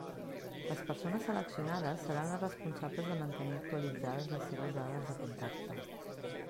Les persones seleccionades seran les responsables de mantenir actualitzades les seves dades de contacte.